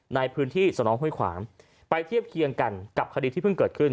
ในพื้นที่สนองห้วยขวางไปเทียบเคียงกันกับคดีที่เพิ่งเกิดขึ้น